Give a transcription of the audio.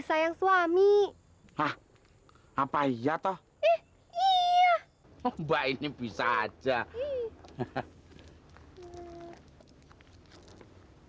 sayang suami hah apa iya toh ih iya mbak ini bisa aja hahaha